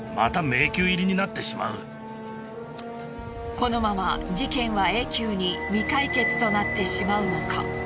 このまま事件は永久に未解決となってしまうのか？